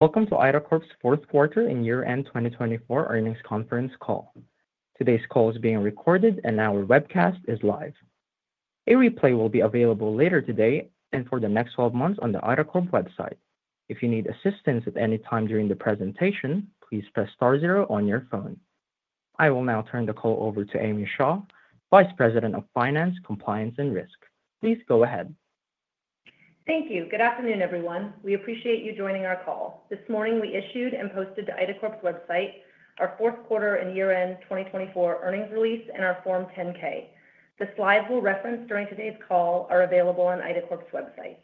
Welcome to IDACORP's Fourth Quarter and Year-End 2024 Earnings Conference Call. Today's call is being recorded, and our webcast is live. A replay will be available later today and for the next 12 months on the IDACORP website. If you need assistance at any time during the presentation, please press star zero on your phone. I will now turn the call over to Amy Shaw, Vice President of Finance, Compliance, and Risk. Please go ahead. Thank you. Good afternoon, everyone. We appreciate you joining our call. This morning, we issued and posted to IDACORP's website our fourth quarter and year-end 2024 earnings release and our Form 10-K. The slides we'll reference during today's call are available on IDACORP's website.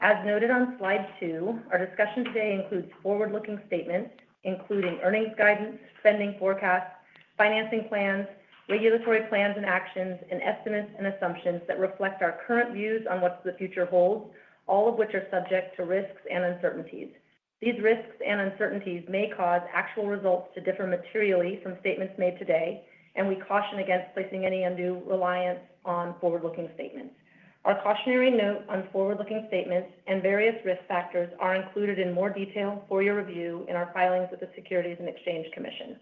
As noted on Slide 2, our discussion today includes forward-looking statements, including earnings guidance, spending forecasts, financing plans, regulatory plans and actions, and estimates and assumptions that reflect our current views on what the future holds, all of which are subject to risks and uncertainties. These risks and uncertainties may cause actual results to differ materially from statements made today, and we caution against placing any undue reliance on forward-looking statements. Our cautionary note on forward-looking statements and various risk factors are included in more detail for your review in our filings with the Securities and Exchange Commission.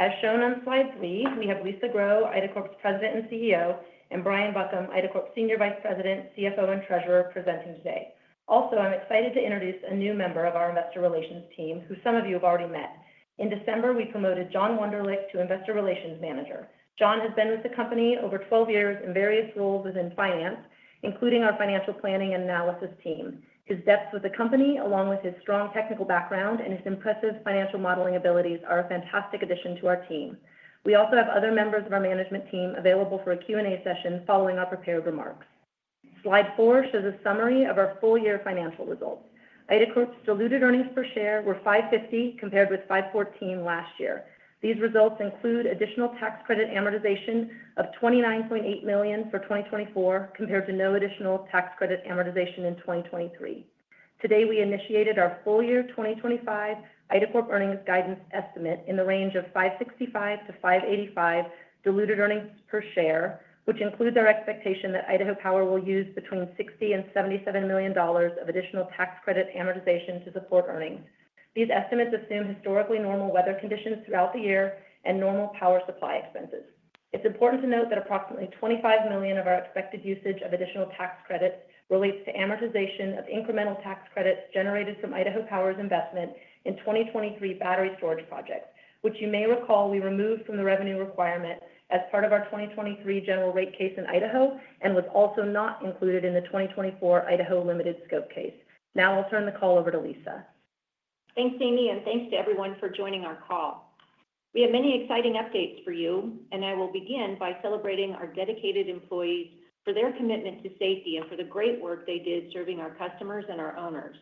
As shown on Slide 3, we have Lisa Grow, IDACORP's President and CEO, and Brian Buckham, IDACORP's Senior Vice President, CFO, and Treasurer presenting today. Also, I'm excited to introduce a new member of our Investor Relations team, who some of you have already met. In December, we promoted John Wonderlich to Investor Relations Manager. John has been with the company over 12 years in various roles within finance, including our Financial Planning and Analysis team. His depth with the company, along with his strong technical background and his impressive financial modeling abilities, are a fantastic addition to our team. We also have other members of our management team available for a Q&A session following our prepared remarks. Slide 4 shows a summary of our full-year financial results. IDACORP's diluted earnings per share were $5.50 compared with $5.14 last year. These results include additional tax credit amortization of $29.8 million for 2024 compared to no additional tax credit amortization in 2023. Today, we initiated our full-year 2025 IDACORP earnings guidance estimate in the range of $565-$585 diluted earnings per share, which includes our expectation that Idaho Power will use between $60 and $77 million of additional tax credit amortization to support earnings. These estimates assume historically normal weather conditions throughout the year and normal power supply expenses. It's important to note that approximately $25 million of our expected usage of additional tax credits relates to amortization of incremental tax credits generated from Idaho Power's investment in 2023 battery storage projects, which you may recall we removed from the revenue requirement as part of our 2023 general rate case in Idaho and was also not included in the 2024 Idaho limited scope case. Now I'll turn the call over to Lisa. Thanks, Amy, and thanks to everyone for joining our call. We have many exciting updates for you, and I will begin by celebrating our dedicated employees for their commitment to safety and for the great work they did serving our customers and our owners.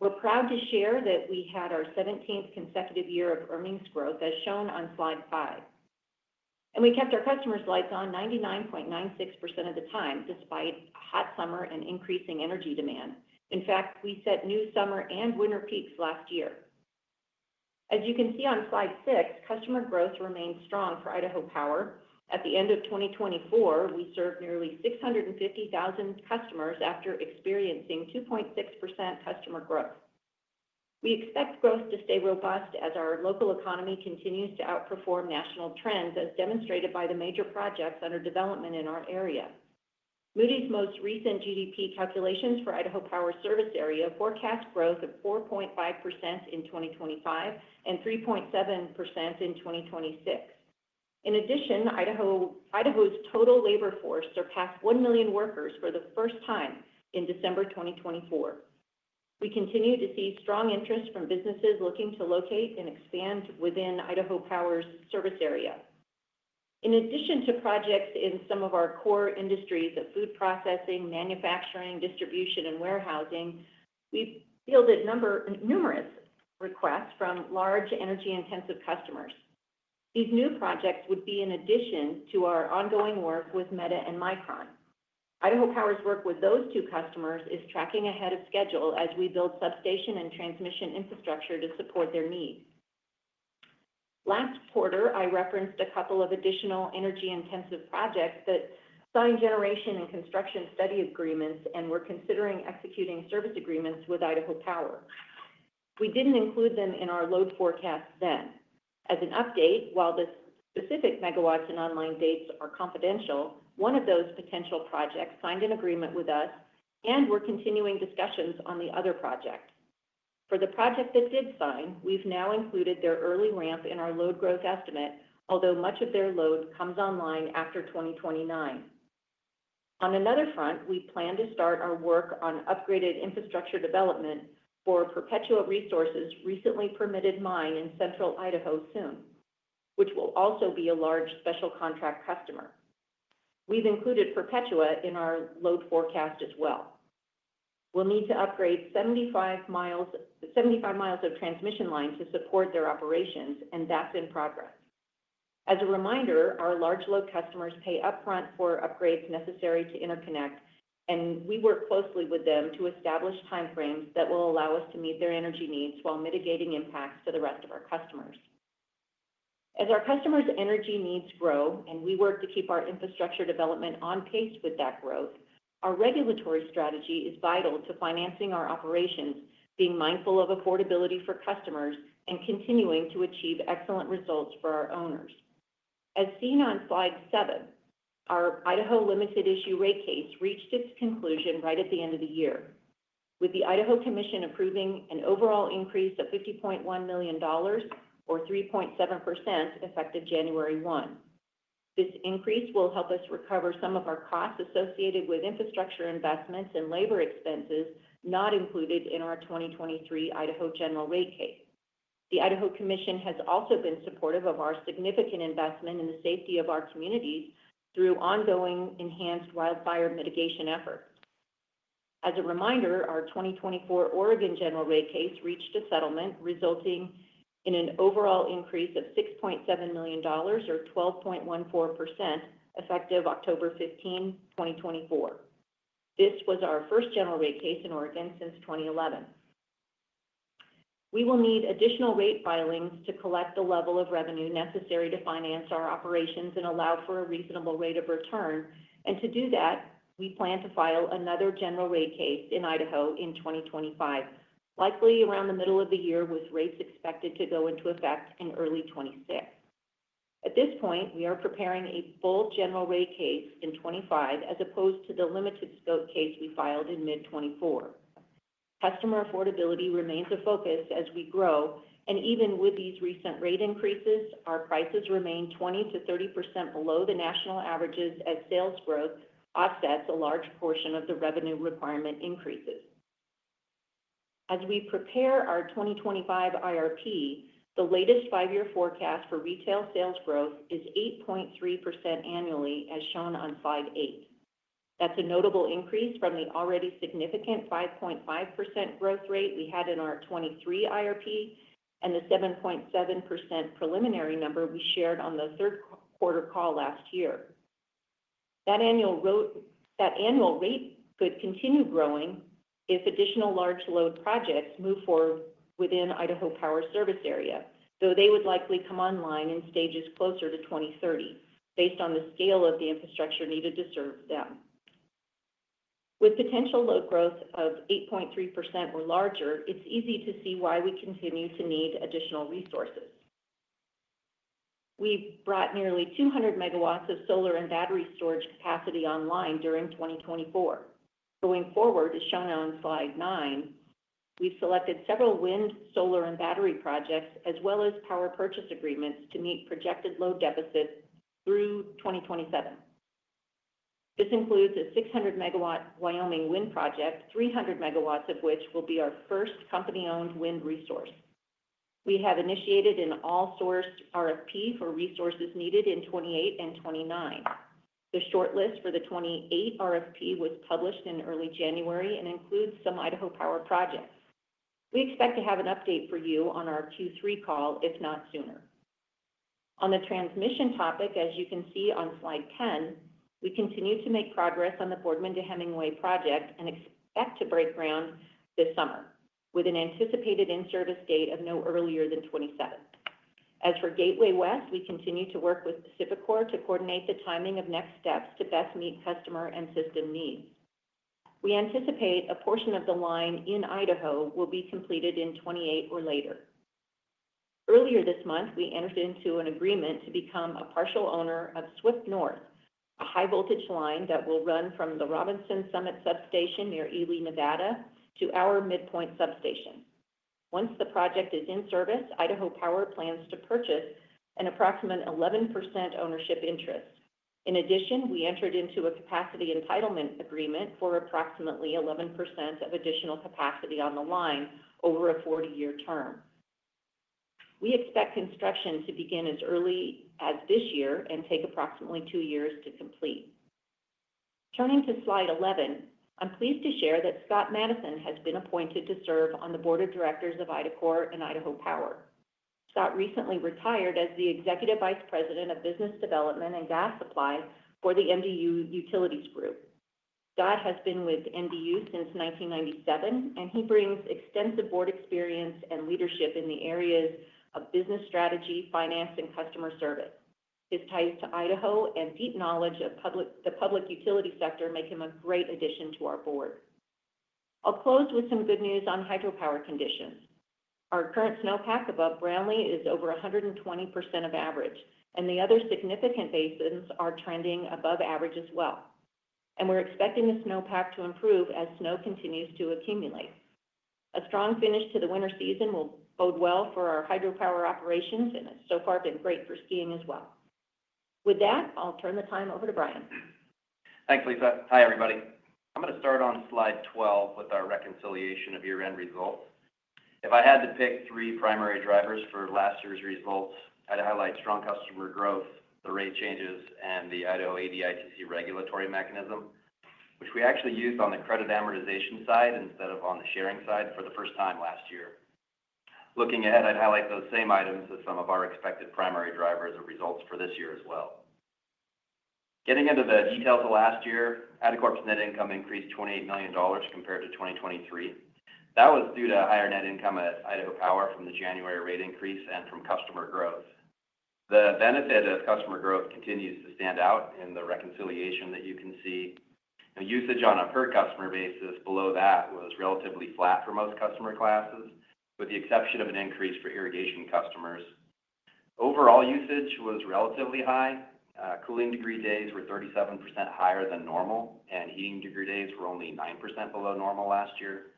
We're proud to share that we had our 17th consecutive year of earnings growth, as shown on Slide 5, and we kept our customers' lights on 99.96% of the time despite a hot summer and increasing energy demand. In fact, we set new summer and winter peaks last year. As you can see on Slide 6, customer growth remained strong for Idaho Power. At the end of 2024, we served nearly 650,000 customers after experiencing 2.6% customer growth. We expect growth to stay robust as our local economy continues to outperform national trends, as demonstrated by the major projects under development in our area. Moody's most recent GDP calculations for Idaho Power's service area forecast growth of 4.5% in 2025 and 3.7% in 2026. In addition, Idaho's total labor force surpassed one million workers for the first time in December 2024. We continue to see strong interest from businesses looking to locate and expand within Idaho Power's service area. In addition to projects in some of our core industries of food processing, manufacturing, distribution, and warehousing, we fielded numerous requests from large energy-intensive customers. These new projects would be in addition to our ongoing work with Meta and Micron. Idaho Power's work with those two customers is tracking ahead of schedule as we build substation and transmission infrastructure to support their needs. Last quarter, I referenced a couple of additional energy-intensive projects that signed generation and construction study agreements and were considering executing service agreements with Idaho Power. We didn't include them in our load forecast then. As an update, while the specific megawatts and online dates are confidential, one of those potential projects signed an agreement with us, and we're continuing discussions on the other project. For the project that did sign, we've now included their early ramp in our load growth estimate, although much of their load comes online after 2029. On another front, we plan to start our work on upgraded infrastructure development for Perpetua Resources' recently permitted mine in central Idaho soon, which will also be a large special contract customer. We've included Perpetua in our load forecast as well. We'll need to upgrade 75 mi of transmission line to support their operations, and that's in progress. As a reminder, our large load customers pay upfront for upgrades necessary to interconnect, and we work closely with them to establish timeframes that will allow us to meet their energy needs while mitigating impacts to the rest of our customers. As our customers' energy needs grow and we work to keep our infrastructure development on pace with that growth, our regulatory strategy is vital to financing our operations, being mindful of affordability for customers, and continuing to achieve excellent results for our owners. As seen on Slide 7, our Idaho limited issue rate case reached its conclusion right at the end of the year, with the Idaho Commission approving an overall increase of $50.1 million, or 3.7%, effective January 1. This increase will help us recover some of our costs associated with infrastructure investments and labor expenses not included in our 2023 Idaho general rate case. The Idaho Commission has also been supportive of our significant investment in the safety of our communities through ongoing enhanced wildfire mitigation efforts. As a reminder, our 2024 Oregon general rate case reached a settlement, resulting in an overall increase of $6.7 million, or 12.14%, effective October 15, 2024. This was our first general rate case in Oregon since 2011. We will need additional rate filings to collect the level of revenue necessary to finance our operations and allow for a reasonable rate of return, and to do that, we plan to file another general rate case in Idaho in 2025, likely around the middle of the year, with rates expected to go into effect in early 2026. At this point, we are preparing a full general rate case in 2025 as opposed to the limited scope case we filed in mid-2024. Customer affordability remains a focus as we grow, and even with these recent rate increases, our prices remain 20%-30% below the national averages as sales growth offsets a large portion of the revenue requirement increases. As we prepare our 2025 IRP, the latest five-year forecast for retail sales growth is 8.3% annually, as shown on Slide 8. That's a notable increase from the already significant 5.5% growth rate we had in our 2023 IRP and the 7.7% preliminary number we shared on the third quarter call last year. That annual rate could continue growing if additional large load projects move forward within Idaho Power's service area, though they would likely come online in stages closer to 2030 based on the scale of the infrastructure needed to serve them. With potential load growth of 8.3% or larger, it's easy to see why we continue to need additional resources. We brought nearly 200 MW of solar and battery storage capacity online during 2024. Going forward, as shown on Slide 9, we've selected several wind, solar, and battery projects, as well as power purchase agreements to meet projected load deficits through 2027. This includes a 600 MW Wyoming wind project, 300 MW of which will be our first company-owned wind resource. We have initiated an all-source RFP for resources needed in 2028 and 2029. The shortlist for the 2028 RFP was published in early January and includes some Idaho Power projects. We expect to have an update for you on our Q3 call, if not sooner. On the transmission topic, as you can see on Slide 10, we continue to make progress on the Boardman to Hemingway project and expect to break ground this summer with an anticipated in-service date of no earlier than 2027. As for Gateway West, we continue to work with PacifiCorp to coordinate the timing of next steps to best meet customer and system needs. We anticipate a portion of the line in Idaho will be completed in 2028 or later. Earlier this month, we entered into an agreement to become a partial owner of SWIP North, a high-voltage line that will run from the Robinson Summit Substation near Ely, Nevada, to our Midpoint Substation. Once the project is in service, Idaho Power plans to purchase an approximate 11% ownership interest. In addition, we entered into a capacity entitlement agreement for approximately 11% of additional capacity on the line over a 40-year term. We expect construction to begin as early as this year and take approximately two years to complete. Turning to Slide 11, I'm pleased to share that Scott Madison has been appointed to serve on the Board of Directors of IDACORP and Idaho Power. Scott recently retired as the Executive Vice President of Business Development and Gas Supply for the MDU Utilities Group. Scott has been with MDU since 1997, and he brings extensive board experience and leadership in the areas of business strategy, finance, and customer service. His ties to Idaho and deep knowledge of the public utility sector make him a great addition to our board. I'll close with some good news on hydropower conditions. Our current snowpack above Brownlee is over 120% of average, and the other significant basins are trending above average as well, and we're expecting the snowpack to improve as snow continues to accumulate. A strong finish to the winter season will bode well for our hydropower operations, and it's so far been great for skiing as well. With that, I'll turn the time over to Brian. Thanks, Lisa. Hi, everybody. I'm going to start on Slide 12 with our reconciliation of year-end results. If I had to pick three primary drivers for last year's results, I'd highlight strong customer growth, the rate changes, and the Idaho ADITC regulatory mechanism, which we actually used on the credit amortization side instead of on the sharing side for the first time last year. Looking ahead, I'd highlight those same items as some of our expected primary drivers of results for this year as well. Getting into the details of last year, IDACORP's net income increased $28 million compared to 2023. That was due to higher net income at Idaho Power from the January rate increase and from customer growth. The benefit of customer growth continues to stand out in the reconciliation that you can see. Usage on a per-customer basis below that was relatively flat for most customer classes, with the exception of an increase for irrigation customers. Overall usage was relatively high. Cooling degree days were 37% higher than normal, and heating degree days were only 9% below normal last year.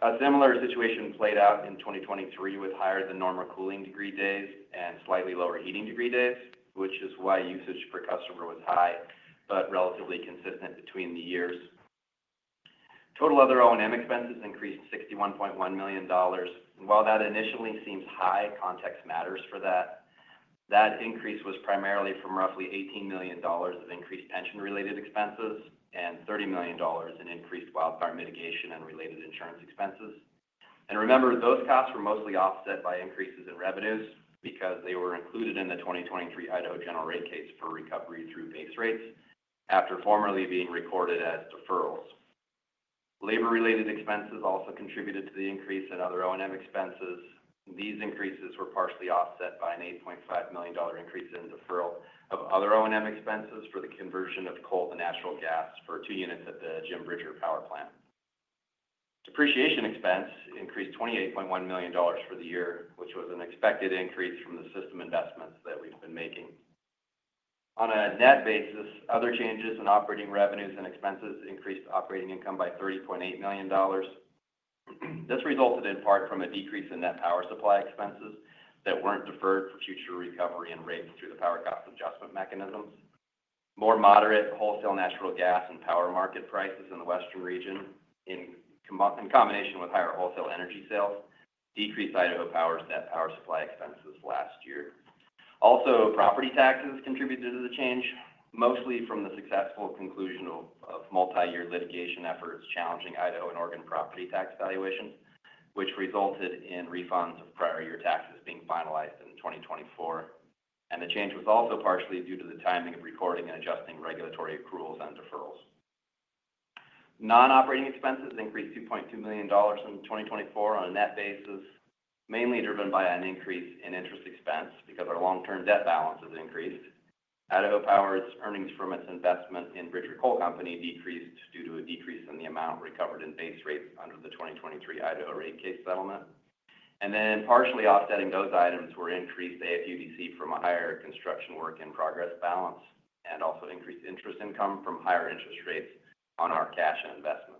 A similar situation played out in 2023 with higher than normal cooling degree days and slightly lower heating degree days, which is why usage per customer was high but relatively consistent between the years. Total other O&M expenses increased $61.1 million, and while that initially seems high, context matters for that. That increase was primarily from roughly $18 million of increased pension-related expenses and $30 million in increased wildfire mitigation and related insurance expenses. Remember, those costs were mostly offset by increases in revenues because they were included in the 2023 Idaho general rate case for recovery through base rates after formerly being recorded as deferrals. Labor-related expenses also contributed to the increase in other O&M expenses. These increases were partially offset by an $8.5 million increase in deferral of other O&M expenses for the conversion of coal to natural gas for two units at the Jim Bridger Power Plant. Depreciation expense increased $28.1 million for the year, which was an expected increase from the system investments that we've been making. On a net basis, other changes in operating revenues and expenses increased operating income by $30.8 million. This resulted in part from a decrease in net power supply expenses that weren't deferred for future recovery and rates through the power cost adjustment mechanisms. More moderate wholesale natural gas and power market prices in the western region, in combination with higher wholesale energy sales, decreased Idaho Power's net power supply expenses last year. Also, property taxes contributed to the change, mostly from the successful conclusion of multi-year litigation efforts challenging Idaho and Oregon property tax valuations, which resulted in refunds of prior year taxes being finalized in 2024, and the change was also partially due to the timing of recording and adjusting regulatory accruals and deferrals. Non-operating expenses increased $2.2 million in 2024 on a net basis, mainly driven by an increase in interest expense because our long-term debt balance has increased. Idaho Power's earnings from its investment in Bridger Coal Company decreased due to a decrease in the amount recovered in base rates under the 2023 Idaho rate case settlement. And then partially offsetting those items were increased AFUDC from a higher construction work in progress balance and also increased interest income from higher interest rates on our cash and investments.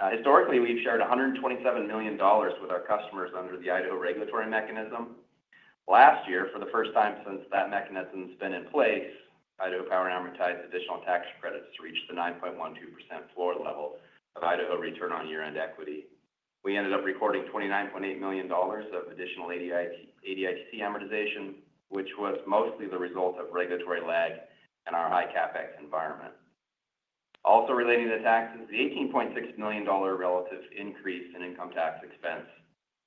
Historically, we've shared $127 million with our customers under the Idaho regulatory mechanism. Last year, for the first time since that mechanism's been in place, Idaho Power amortized additional tax credits to reach the 9.12% floor level of Idaho return on year-end equity. We ended up recording $29.8 million of additional ADITC amortization, which was mostly the result of regulatory lag and our high CapEx environment. Also relating to taxes, the $18.6 million relative increase in income tax expense,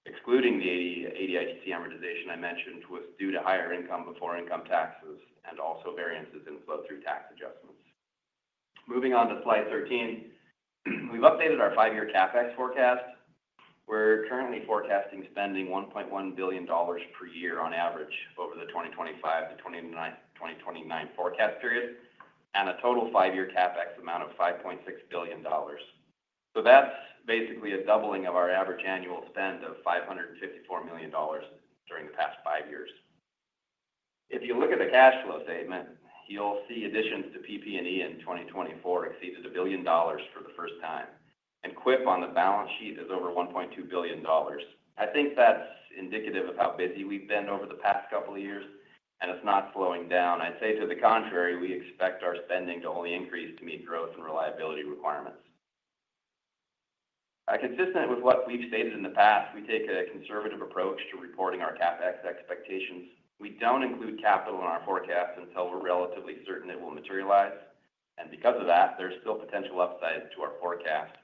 excluding the ADITC amortization I mentioned, was due to higher income before income taxes and also variances in flow-through tax adjustments. Moving on to Slide 13, we've updated our five-year CapEx forecast. We're currently forecasting spending $1.1 billion per year on average over the 2025 to 2029 forecast period and a total five-year CapEx amount of $5.6 billion. So that's basically a doubling of our average annual spend of $554 million during the past five years. If you look at the cash flow statement, you'll see additions to PP&E in 2024 exceeded $1 billion for the first time, and CWIP on the balance sheet is over $1.2 billion. I think that's indicative of how busy we've been over the past couple of years, and it's not slowing down. I'd say to the contrary, we expect our spending to only increase to meet growth and reliability requirements. Consistent with what we've stated in the past, we take a conservative approach to reporting our CapEx expectations. We don't include capital in our forecast until we're relatively certain it will materialize. And because of that, there's still potential upside to our forecast.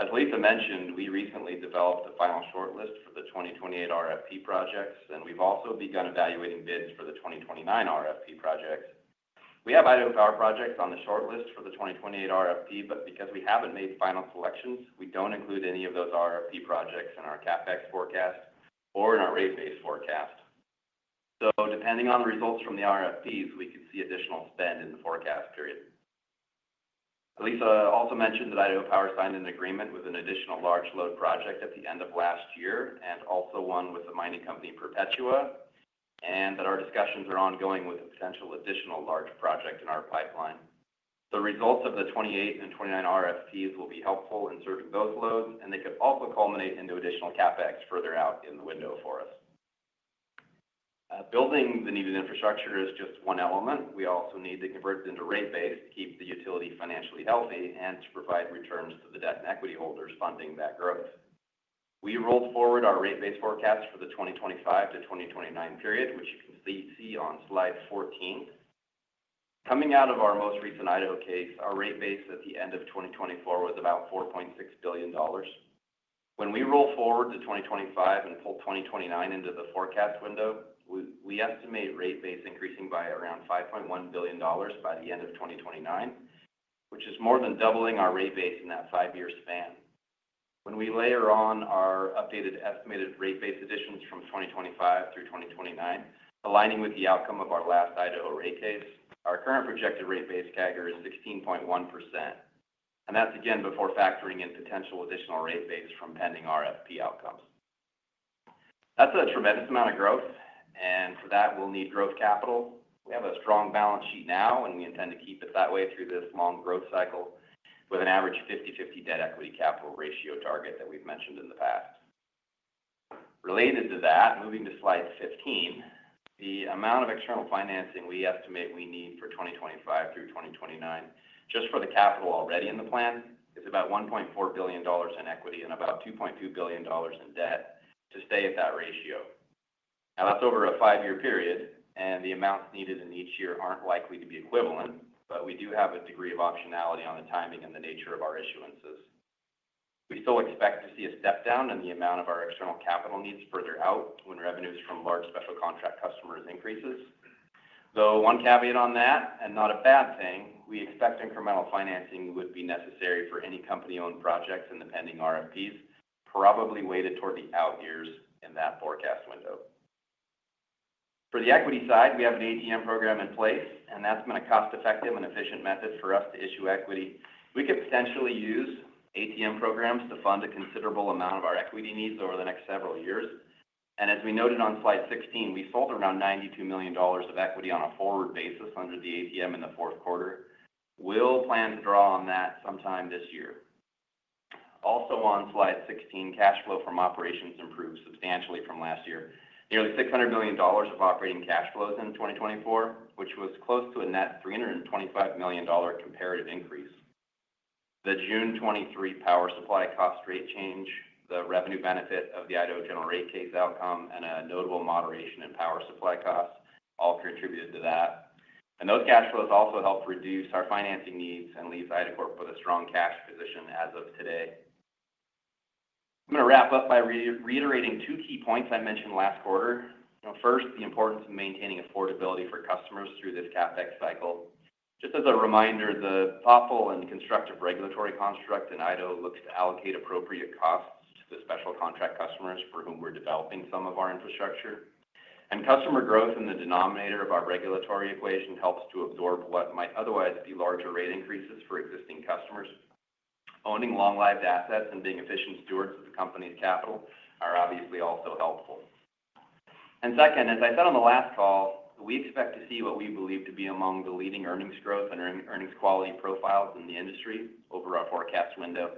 As Lisa mentioned, we recently developed a final shortlist for the 2028 RFP projects, and we've also begun evaluating bids for the 2029 RFP projects. We have Idaho Power projects on the shortlist for the 2028 RFP, but because we haven't made final selections, we don't include any of those RFP projects in our CapEx forecast or in our rate-based forecast. So depending on the results from the RFPs, we could see additional spend in the forecast period. Lisa also mentioned that Idaho Power signed an agreement with an additional large load project at the end of last year and also one with the mining company Perpetua, and that our discussions are ongoing with a potential additional large project in our pipeline. The results of the 2028 and 2029 RFPs will be helpful in serving those loads, and they could also culminate into additional CapEx further out in the window for us. Building the needed infrastructure is just one element. We also need to convert it into rate base to keep the utility financially healthy and to provide returns to the debt and equity holders funding that growth. We rolled forward our rate base forecast for the 2025 to 2029 period, which you can see on Slide 14. Coming out of our most recent Idaho case, our rate base at the end of 2024 was about $4.6 billion. When we roll forward to 2025 and pull 2029 into the forecast window, we estimate rate base increasing by around $5.1 billion by the end of 2029, which is more than doubling our rate base in that five-year span. When we layer on our updated estimated rate base additions from 2025 through 2029, aligning with the outcome of our last Idaho rate case, our current projected rate base CAGR is 16.1%, and that's again before factoring in potential additional rate base from pending RFP outcomes. That's a tremendous amount of growth, and for that, we'll need growth capital. We have a strong balance sheet now, and we intend to keep it that way through this long growth cycle with an average 50/50 debt-equity-capital ratio target that we've mentioned in the past. Related to that, moving to Slide 15, the amount of external financing we estimate we need for 2025 through 2029 just for the capital already in the plan is about $1.4 billion in equity and about $2.2 billion in debt to stay at that ratio. Now, that's over a five-year period, and the amounts needed in each year aren't likely to be equivalent, but we do have a degree of optionality on the timing and the nature of our issuances. We still expect to see a step down in the amount of our external capital needs further out when revenues from large special contract customers increases. Though one caveat on that, and not a bad thing, we expect incremental financing would be necessary for any company-owned projects in the pending RFPs, probably weighted toward the out years in that forecast window. For the equity side, we have an ATM program in place, and that's been a cost-effective and efficient method for us to issue equity. We could potentially use ATM programs to fund a considerable amount of our equity needs over the next several years. And as we noted on Slide 16, we sold around $92 million of equity on a forward basis under the ATM in the fourth quarter. We'll plan to draw on that sometime this year. Also on Slide 16, cash flow from operations improved substantially from last year. Nearly $600 million of operating cash flows in 2024, which was close to a net $325 million comparative increase. The June 2023 power supply cost rate change, the revenue benefit of the Idaho general rate case outcome, and a notable moderation in power supply costs all contributed to that. And those cash flows also helped reduce our financing needs and leave IDACORP with a strong cash position as of today. I'm going to wrap up by reiterating two key points I mentioned last quarter. First, the importance of maintaining affordability for customers through this CapEx cycle. Just as a reminder, the thoughtful and constructive regulatory construct in Idaho looks to allocate appropriate costs to the special contract customers for whom we're developing some of our infrastructure. And customer growth in the denominator of our regulatory equation helps to absorb what might otherwise be larger rate increases for existing customers. Owning long-lived assets and being efficient stewards of the company's capital are obviously also helpful. And second, as I said on the last call, we expect to see what we believe to be among the leading earnings growth and earnings quality profiles in the industry over our forecast window.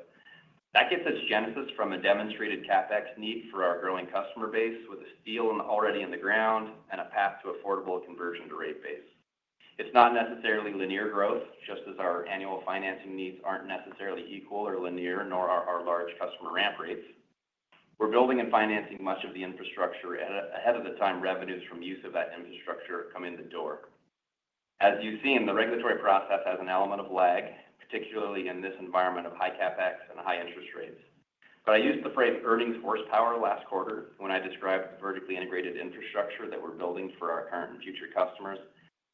That gets its genesis from a demonstrated CapEx need for our growing customer base with a steel already in the ground and a path to affordable conversion to rate base. It's not necessarily linear growth, just as our annual financing needs aren't necessarily equal or linear, nor are our large customer ramp rates, but I used the phrase earnings horsepower last quarter when I described the vertically integrated infrastructure that we're building for our current and future customers,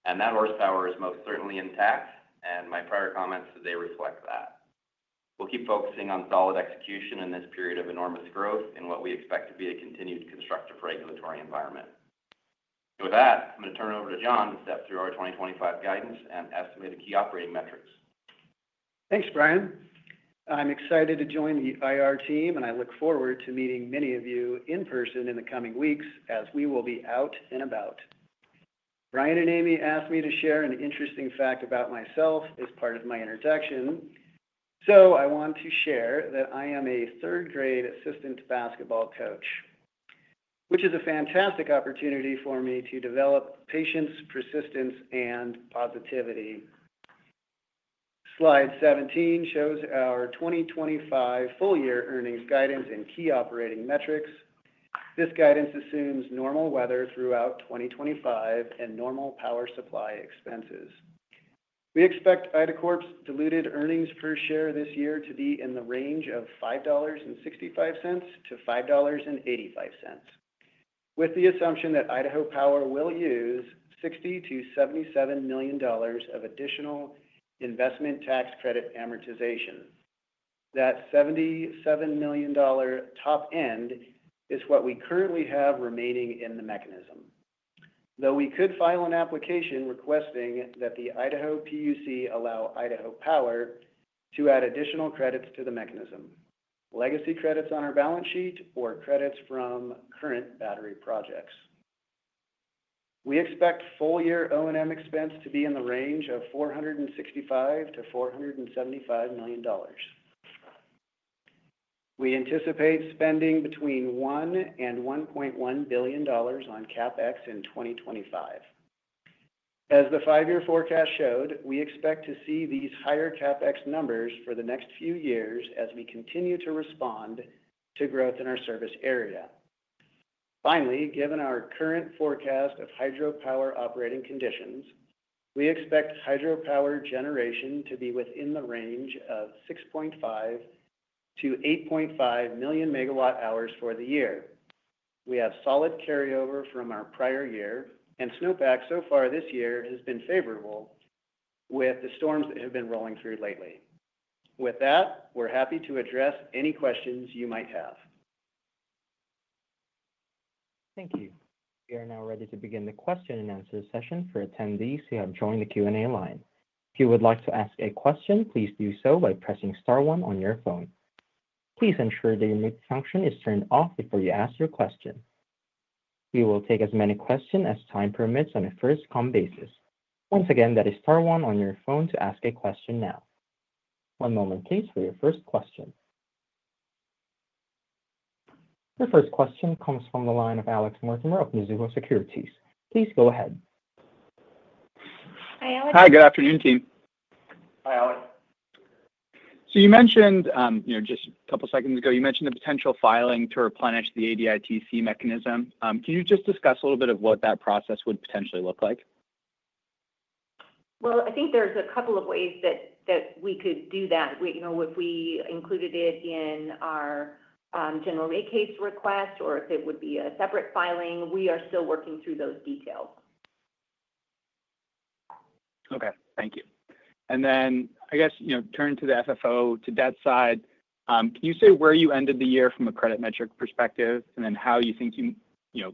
and that horsepower is most certainly intact, and my prior comments today reflect that. We'll keep focusing on solid execution in this period of enormous growth in what we expect to be a continued constructive regulatory environment. With that, I'm going to turn it over to John to step through our 2025 guidance and estimated key operating metrics. Thanks, Brian. I'm excited to join the IR team, and I look forward to meeting many of you in person in the coming weeks as we will be out and about. Brian and Amy asked me to share an interesting fact about myself as part of my introduction. So I want to share that I am a third-grade assistant basketball coach, which is a fantastic opportunity for me to develop patience, persistence, and positivity. Slide 17 shows our 2025 full-year earnings guidance and key operating metrics. This guidance assumes normal weather throughout 2025 and normal power supply expenses. We expect IDACORP's diluted earnings per share this year to be in the range of $5.65-$5.85, with the assumption that Idaho Power will use $60 million-$77 million of additional investment tax credit amortization. That $77 million top end is what we currently have remaining in the mechanism, though we could file an application requesting that the Idaho PUC allow Idaho Power to add additional credits to the mechanism, legacy credits on our balance sheet, or credits from current battery projects. We expect full-year O&M expense to be in the range of $465 million-$475 million. We anticipate spending between $1 and $1.1 billion on CapEx in 2025. As the five-year forecast showed, we expect to see these higher CapEx numbers for the next few years as we continue to respond to growth in our service area. Finally, given our current forecast of hydropower operating conditions, we expect hydropower generation to be within the range of 6.5-8.5 million megawatt hours for the year. We have solid carryover from our prior year, and snowpack so far this year has been favorable with the storms that have been rolling through lately. With that, we're happy to address any questions you might have. Thank you. We are now ready to begin the question and answer session for attendees who have joined the Q&A line. If you would like to ask a question, please do so by pressing Star 1 on your phone. Please ensure the remote function is turned off before you ask your question. We will take as many questions as time permits on a first-come basis. Once again, that is Star 1 on your phone to ask a question now. One moment please for your first question. Your first question comes from the line of Alex Mortimer of Mizuho Securities. Please go ahead. Hi, good afternoon, team. So you mentioned just a couple of seconds ago, you mentioned the potential filing to replenish the ADITC mechanism. Can you just discuss a little bit of what that process would potentially look like? Well, I think there's a couple of ways that we could do that. If we included it in our general rate case request or if it would be a separate filing, we are still working through those details. Okay. Thank you. And then I guess turning to the FFO, to that side, can you say where you ended the year from a credit metric perspective and then how you think you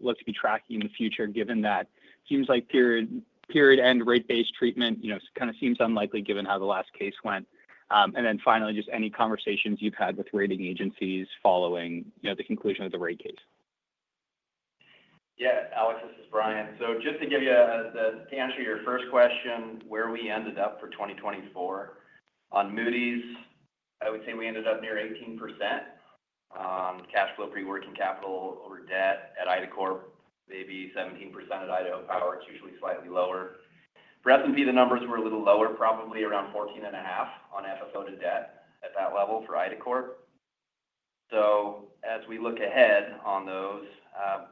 look to be tracking in the future given that it seems like period-end rate-based treatment kind of seems unlikely given how the last case went? And then finally, just any conversations you've had with rating agencies following the conclusion of the rate case. Yeah, Alex, this is Brian. So just to answer your first question, where we ended up for 2024 on Moody's, I would say we ended up near 18% on cash flow pre-working capital over debt at IDACORP, maybe 17% at Idaho Power. It's usually slightly lower. For S&P, the numbers were a little lower, probably around 14.5% on FFO to debt at that level for IDACORP. So as we look ahead on those,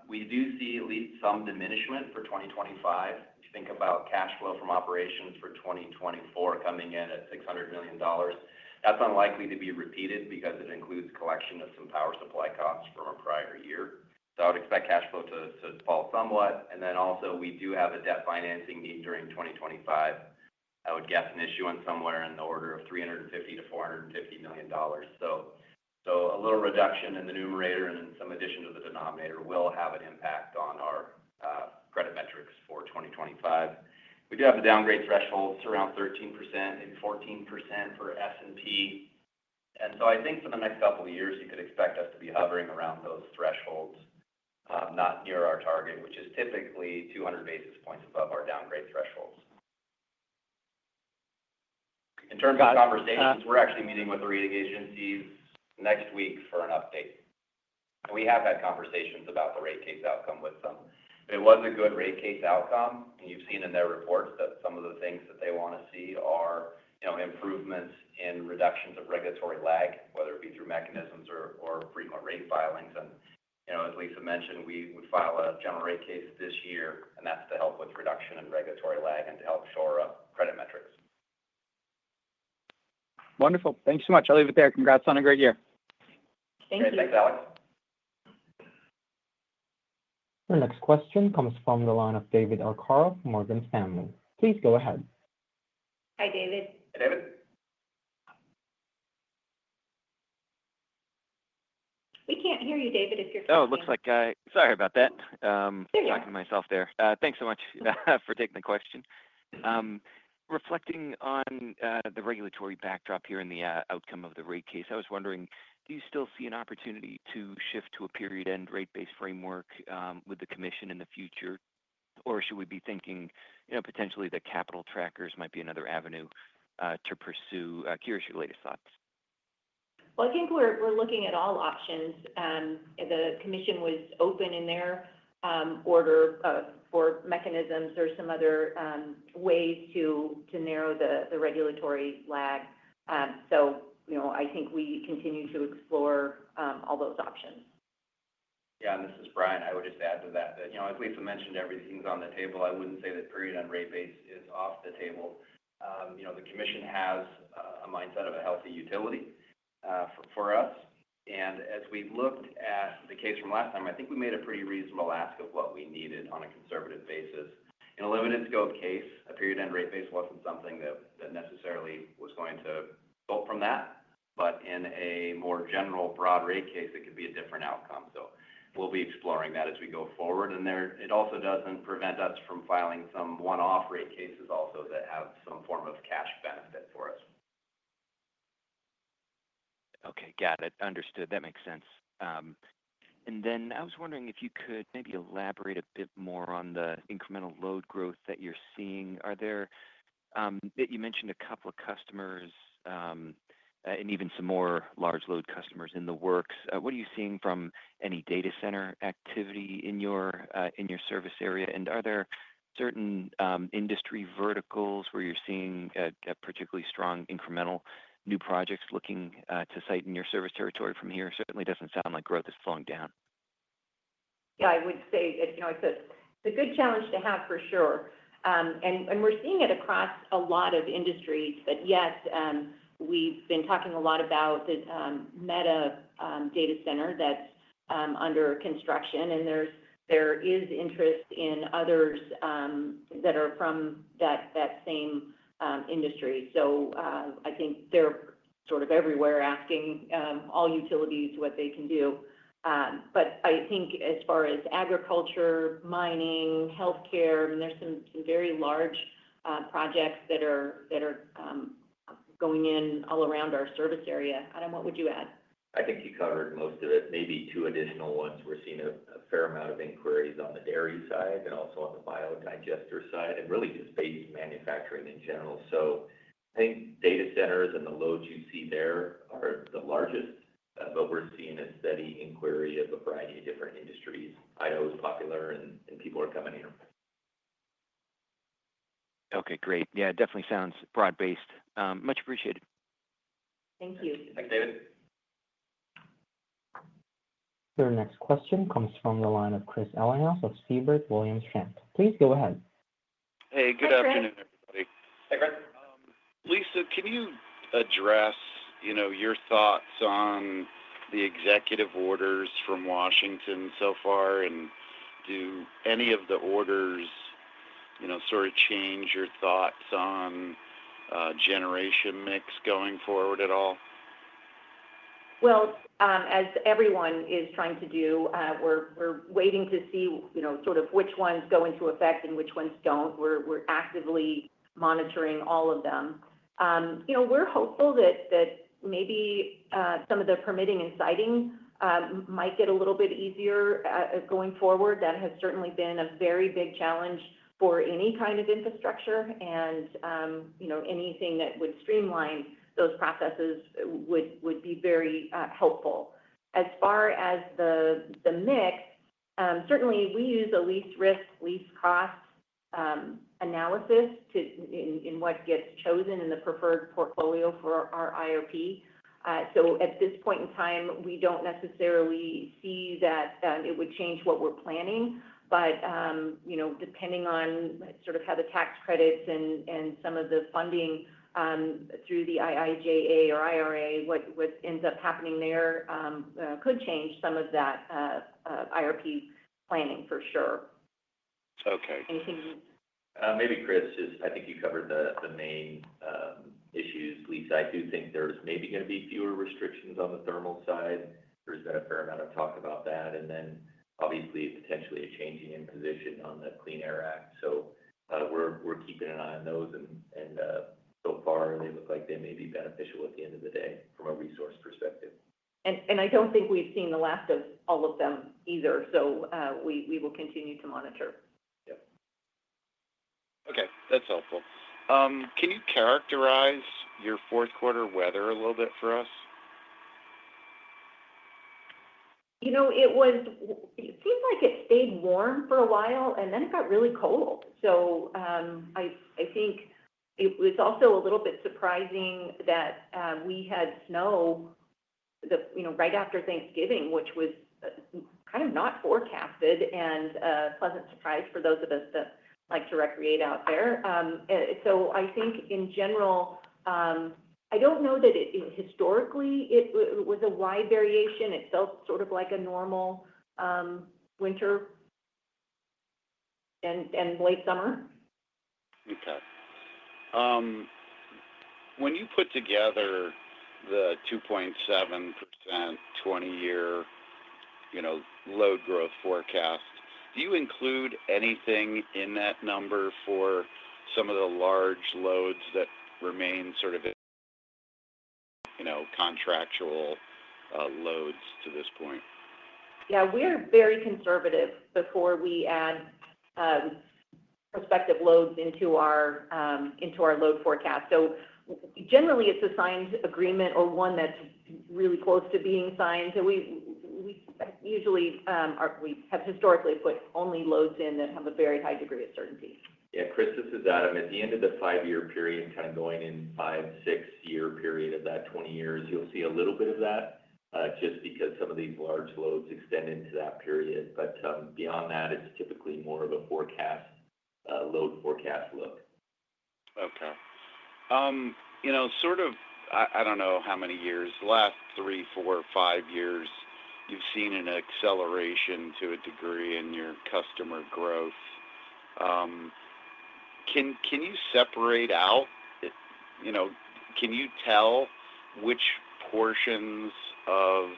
we do see at least some diminishment for 2025. If you think about cash flow from operations for 2024 coming in at $600 million, that's unlikely to be repeated because it includes collection of some power supply costs from a prior year. So I would expect cash flow to fall somewhat. And then also, we do have a debt financing need during 2025. I would guess an issuance somewhere in the order of $350 million-$450 million. So a little reduction in the numerator and then some addition to the denominator will have an impact on our credit metrics for 2025. We do have a downgrade threshold, so around 13% and 14% for S&P. And so I think for the next couple of years, you could expect us to be hovering around those thresholds, not near our target, which is typically 200 basis points above our downgrade thresholds. In terms of conversations, we're actually meeting with the rating agencies next week for an update. And we have had conversations about the rate case outcome with them. It was a good rate case outcome, and you've seen in their reports that some of the things that they want to see are improvements in reductions of regulatory lag, whether it be through mechanisms or frequent rate filings. And as Lisa mentioned, we would file a general rate case this year, and that's to help with reduction in regulatory lag and to help shore up credit metrics. Wonderful. Thank you so much. I'll leave it there. Congrats on a great year. Thank you. Thanks, Alex. Our next question comes from the line of David Arcaro from Morgan Stanley. Please go ahead. Hi, David. Hey, David. We can't hear you, David, if you're coming in. Oh, it looks like, sorry about that. There you are. I'm talking to myself there. Thanks so much for taking the question. Reflecting on the regulatory backdrop here in the outcome of the rate case, I was wondering, do you still see an opportunity to shift to a period-end rate base framework with the commission in the future, or should we be thinking potentially that capital trackers might be another avenue to pursue? Curious, your latest thoughts? Well, I think we're looking at all options. The commission was open in their order for mechanisms or some other ways to narrow the regulatory lag, so I think we continue to explore all those options. Yeah, and this is Brian. I would just add to that, as Lisa mentioned, everything's on the table. I wouldn't say that period-end rate base is off the table. The commission has a mindset of a healthy utility for us, and as we looked at the case from last time, I think we made a pretty reasonable ask of what we needed on a conservative basis. In a limited-scope case, a period-end rate base wasn't something that necessarily was going to result from that, but in a more general, broad rate case, it could be a different outcome, so we'll be exploring that as we go forward. It also doesn't prevent us from filing some one-off rate cases also that have some form of cash benefit for us. Okay. Got it. Understood. That makes sense. And then I was wondering if you could maybe elaborate a bit more on the incremental load growth that you're seeing. You mentioned a couple of customers and even some more large load customers in the works. What are you seeing from any data center activity in your service area? And are there certain industry verticals where you're seeing particularly strong incremental new projects looking to site in your service territory from here? Certainly doesn't sound like growth is slowing down. Yeah, I would say, as I said, it's a good challenge to have for sure. And we're seeing it across a lot of industries. But yes, we've been talking a lot about the Meta Data Center that's under construction. And there is interest in others that are from that same industry. So I think they're sort of everywhere asking all utilities what they can do. But I think as far as agriculture, mining, healthcare, there's some very large projects that are going in all around our service area. Adam, what would you add? I think you covered most of it. Maybe two additional ones. We're seeing a fair amount of inquiries on the dairy side and also on the biodigester side and really just base manufacturing in general. So I think data centers and the loads you see there are the largest, but we're seeing a steady inquiry of a variety of different industries. Idaho is popular, and people are coming here. Okay. Great. Yeah, it definitely sounds broad-based. Much appreciated. Thank you. Thanks, David. Your next question comes from the line of Chris Ellinghaus of Siebert Williams Shank. Please go ahead. Hey, good afternoon, everybody. Hey, Chris. Lisa, can you address your thoughts on the executive orders from Washington so far? And do any of the orders sort of change your thoughts on generation mix going forward at all? Well, as everyone is trying to do, we're waiting to see sort of which ones go into effect and which ones don't. We're actively monitoring all of them. We're hopeful that maybe some of the permitting and siting might get a little bit easier going forward. That has certainly been a very big challenge for any kind of infrastructure. And anything that would streamline those processes would be very helpful. As far as the mix, certainly we use a least risk, least cost analysis in what gets chosen in the preferred portfolio for our IRP. So at this point in time, we don't necessarily see that it would change what we're planning. But depending on sort of how the tax credits and some of the funding through the IIJA or IRA, what ends up happening there could change some of that IRP planning for sure. Okay. Anything? Maybe Chris, I think you covered the main issues. Lisa, I do think there's maybe going to be fewer restrictions on the thermal side. There's been a fair amount of talk about that. And then obviously, potentially a changing in position on the Clean Air Act. So we're keeping an eye on those. And so far, they look like they may be beneficial at the end of the day from a resource perspective. And I don't think we've seen the last of all of them either. So we will continue to monitor. Yep. Okay. That's helpful. Can you characterize your fourth quarter weather a little bit for us? It seems like it stayed warm for a while, and then it got really cold. So I think it was also a little bit surprising that we had snow right after Thanksgiving, which was kind of not forecasted and a pleasant surprise for those of us that like to recreate out there. So I think in general, I don't know that historically it was a wide variation. It felt sort of like a normal winter and late summer. Okay. When you put together the 2.7% 20-year load growth forecast, do you include anything in that number for some of the large loads that remain sort of contractual loads to this point? Yeah. We're very conservative before we add prospective loads into our load forecast. So generally, it's a signed agreement or one that's really close to being signed. So we usually have historically put only loads in that have a very high degree of certainty. Yeah. Chris, this is Adam. At the end of the five-year period, kind of going in five, six-year period of that 20 years, you'll see a little bit of that just because some of these large loads extend into that period. But beyond that, it's typically more of a load forecast look. Okay. Sort of, I don't know how many years, the last three, four, five years, you've seen an acceleration to a degree in your customer growth. Can you separate out? Can you tell which portions of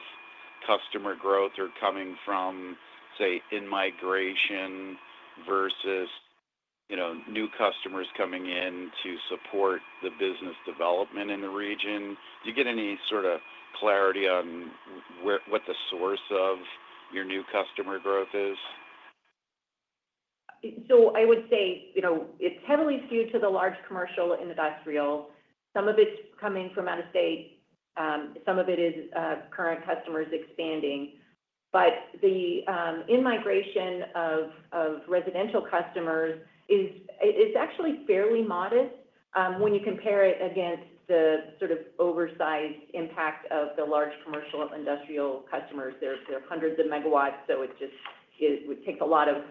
customer growth are coming from, say, in-migration versus new customers coming in to support the business development in the region? Do you get any sort of clarity on what the source of your new customer growth is? So I would say it's heavily skewed to the large commercial industrial. Some of it's coming from out of state. Some of it is current customers expanding. But the in-migration of residential customers is actually fairly modest when you compare it against the sort of oversized impact of the large commercial industrial customers. They're hundreds of megawatts, so it takes a lot of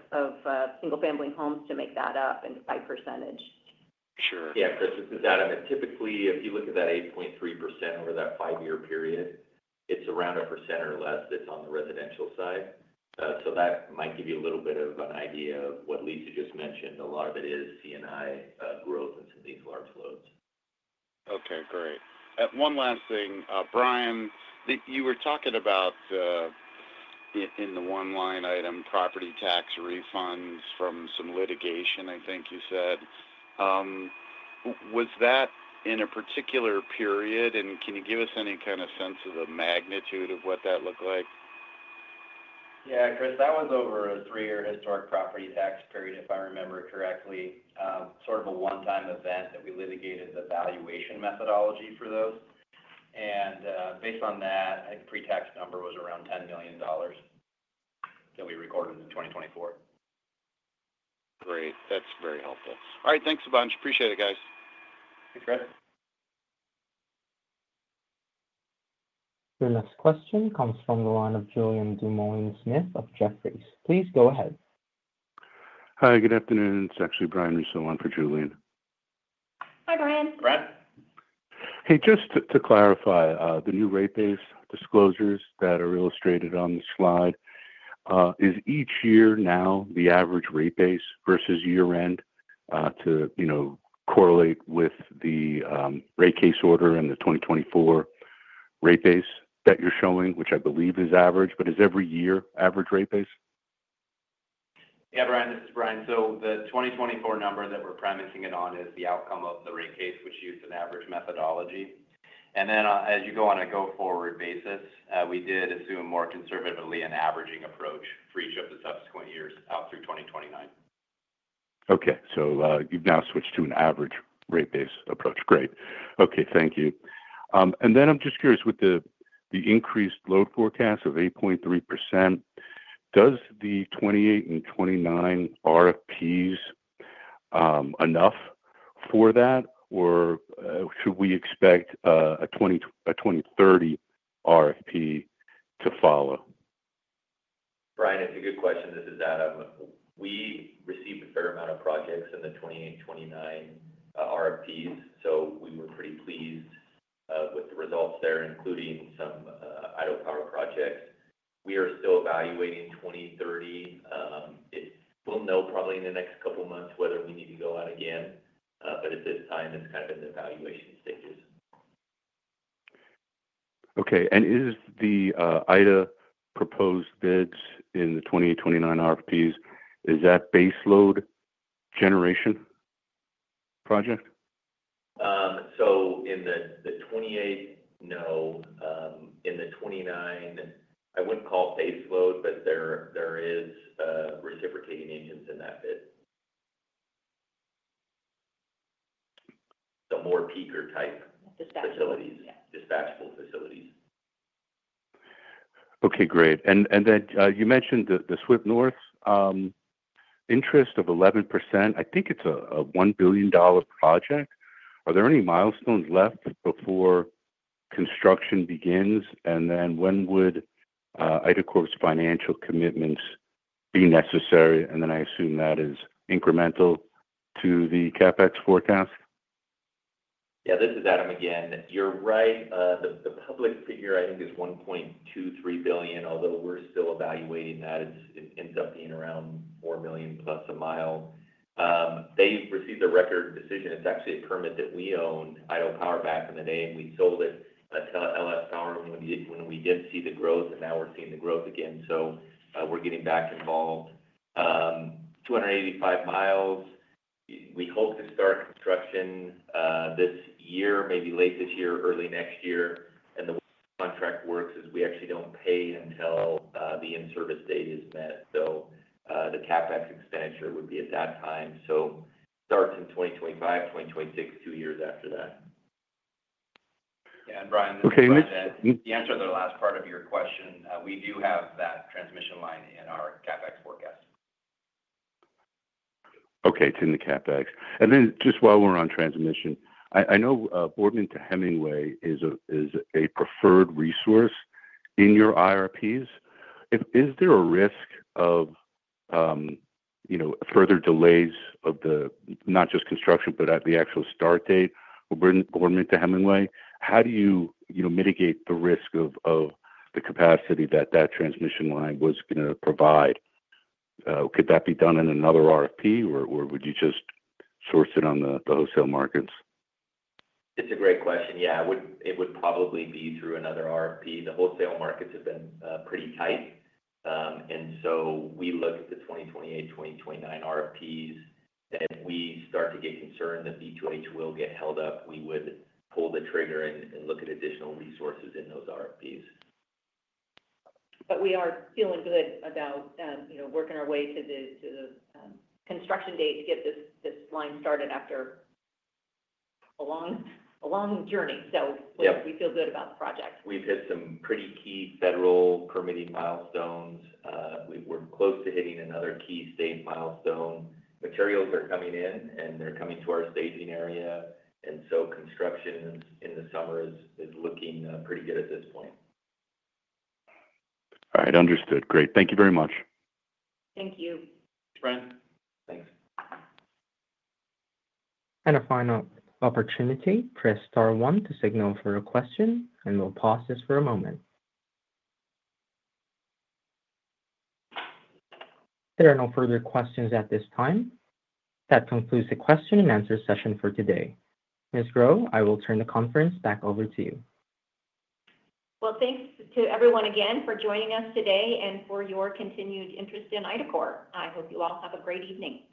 single-family homes to make that up in a high percentage. Sure. Yeah, Chris, this is Adam. And typically, if you look at that 8.3% over that five-year period, it's around a percent or less that's on the residential side. So that might give you a little bit of an idea of what Lisa just mentioned. A lot of it is C&I growth and some of these large loads. Okay. Great. One last thing, Brian, you were talking about in the one-line item, property tax refunds from some litigation, I think you said. Was that in a particular period? And can you give us any kind of sense of the magnitude of what that looked like? Yeah, Chris, that was over a three-year historic property tax period, if I remember correctly. Sort of a one-time event that we litigated the valuation methodology for those. And based on that, I think the pre-tax number was around $10 million that we recorded in 2024. Great. That's very helpful. All right. Thanks a bunch. Appreciate it, guys. Thanks, Chris. Your next question comes from the line of Julien Dumoulin-Smith of Jefferies. Please go ahead. Hi, good afternoon. It's actually Brian Russo on for Julian. Hi, Brian. Brian? Hey, just to clarify, the new rate base disclosures that are illustrated on the slide, is each year now the average rate base versus year-end to correlate with the rate case order and the 2024 rate base that you're showing, which I believe is average, but is every year average rate base? Yeah, Brian, this is Brian. So the 2024 number that we're basing it on is the outcome of the rate case, which used an average methodology. And then as you go on a go-forward basis, we did assume more conservatively an averaging approach for each of the subsequent years out through 2029. Okay. So you've now switched to an average rate base approach. Great. Okay. Thank you. And then I'm just curious, with the increased load forecast of 8.3%, does the 28 and 29 RFPs enough for that, or should we expect a 2030 RFP to follow? Brian, it's a good question. This is Adam. We received a fair amount of projects in the 28, 29 RFPs. So we were pretty pleased with the results there, including some Idaho Power projects. We are still evaluating 2030. We'll know probably in the next couple of months whether we need to go out again. But at this time, it's kind of in the evaluation stages. Okay. And is the IDA proposed bids in the 28, 29 RFPs, is that baseload generation project? So in the 28, no. In the 29, I wouldn't call it baseload, but there are reciprocating engines in that bid. The more peaker-type facilities, dispatchable facilities. Okay. Great. And then you mentioned the Swift North interest of 11%. I think it's a $1 billion project. Are there any milestones left before construction begins? And then when would IDACORP's financial commitments be necessary? And then I assume that is incremental to the CapEx forecast. Yeah, this is Adam again. You're right. The public figure, I think, is $1.23 billion, although we're still evaluating that. It ends up being around $4 million plus a mile. They received a Record of Decision. It's actually a permit that we owned, Idaho Power back in the day. And we sold it to LS Power when we did see the growth. And now we're seeing the growth again. So we're getting back involved. 285 mi. We hope to start construction this year, maybe late this year, early next year. And the contract works is we actually don't pay until the in-service date is met. So the CapEx expenditure would be at that time. So it starts in 2025, 2026, two years after that. Yeah. And Brian, the answer to the last part of your question, we do have that transmission line in our CapEx forecast. Okay. It's in the CapEx. And then just while we're on transmission, I know Boardman to Hemingway is a preferred resource in your IRPs. Is there a risk of further delays of not just construction, but at the actual start date? Boardman to Hemingway, how do you mitigate the risk of the capacity that that transmission line was going to provide? Could that be done in another RFP, or would you just source it on the wholesale markets? It's a great question. Yeah. It would probably be through another RFP. The wholesale markets have been pretty tight. And so we look at the 2028, 2029 RFPs. And if we start to get concerned that B2H will get held up, we would pull the trigger and look at additional resources in those RFPs. But we are feeling good about working our way to the construction date to get this line started after a long journey. So we feel good about the project. We've hit some pretty key federal permitting milestones. We're close to hitting another key state milestone. Materials are coming in, and they're coming to our staging area. And so construction in the summer is looking pretty good at this point. All right. Understood. Great. Thank you very much. Thank you. Thanks, Brian. Thanks. And a final opportunity, press star one to signal for a question, and we'll pause this for a moment. There are no further questions at this time. That concludes the question and answer session for today. Ms. Grow, I will turn the conference back over to you. Well, thanks to everyone again for joining us today and for your continued interest in IDACORP. I hope you all have a great evening.